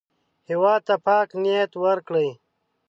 هېواد ته پاک نیت ورکړئ